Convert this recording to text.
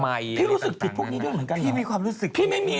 อันนี้มี